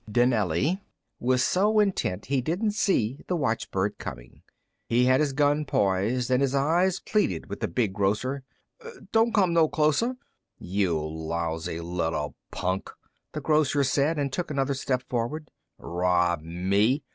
Dinelli was so intent he didn't see the watchbird coming. He had his gun poised, and his eyes pleaded with the big grocer. "Don't come no closer." "You lousy little punk," the grocer said, and took another step forward. "Rob me?